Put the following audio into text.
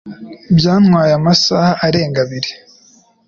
Byantwaye amasaha arenga abiri